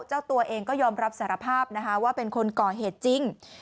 เจ้าตัวเองก็ยอมรับสารภาพนะคะว่าเป็นคนก่อเหตุจริง